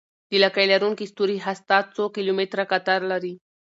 د لکۍ لرونکي ستوري هسته څو کیلومتره قطر لري.